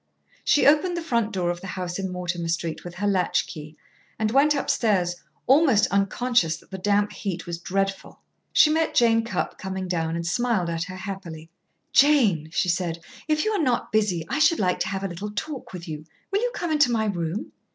She opened the front door of the house in Mortimer Street with her latch key, and went upstairs, almost unconscious that the damp heat was dreadful. She met Jane Cupp coming down, and smiled at her happily. "Jane," she said, "if you are not busy, I should like to have a little talk with you. Will you come into my room?"